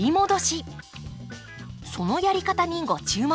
そのやり方にご注目。